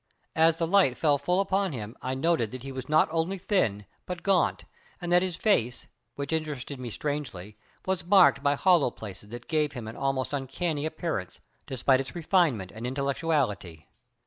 As the light fell full upon him I noted that he was not only thin, but gaunt, and that his face, which interested me strangely, was marked by hollow places that gave him an almost uncanny appearance, despite its refinement and intellectuality.